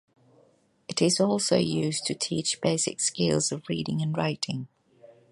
It is also used to teach basic skills of reading and writing.